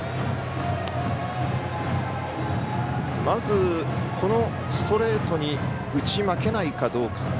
まず、ストレートに打ち負けないかどうか。